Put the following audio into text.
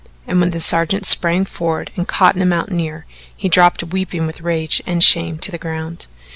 And when the sergeant sprang forward and caught the mountaineer, he dropped weeping with rage and shame to the ground.